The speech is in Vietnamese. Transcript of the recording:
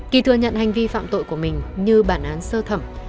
kỳ thừa nhận hành vi phạm tội của mình như bản án sơ thẩm